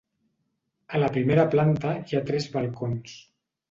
A la primera planta hi ha tres balcons.